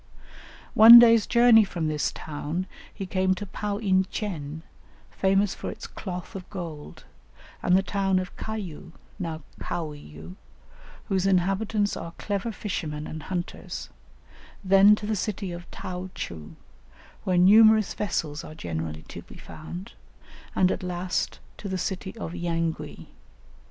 One day's journey from this town he came to Pau in chen, famous for its cloth of gold, and the town of Caiu, now Kao yu, whose inhabitants are clever fishermen and hunters, then to the city of Tai cheu, where numerous vessels are generally to be found, and at last to the city of Yangui.